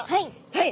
はい。